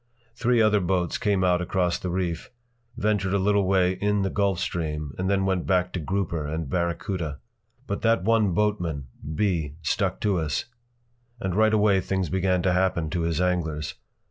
Three other boats came out across the reef, ventured a little way in the Gulf Stream, and then went back to grouper and barracuda. But that one boatman, B., stuck to us. And right away things began to happen to his anglers.